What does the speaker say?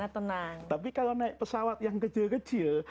tenang tapi kalau naik pesawat yang kecil kecil